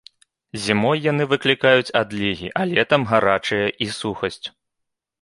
Зімой яны выклікаюць адлігі, а летам гарачыя і сухасць.